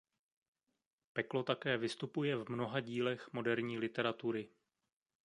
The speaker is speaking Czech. Peklo také vystupuje v mnoha dílech moderní literatury.